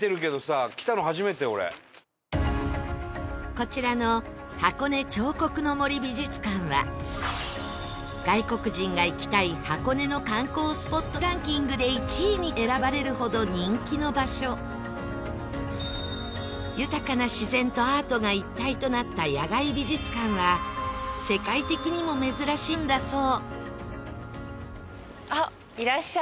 こちらの箱根彫刻の森美術館は外国人が行きたい箱根の観光スポットランキングで１位に選ばれるほど人気の場所豊かな自然とアートが一体となった野外美術館は世界的にも珍しいんだそう